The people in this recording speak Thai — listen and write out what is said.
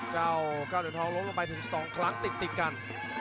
จินด้าน